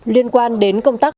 liên quan đến công tác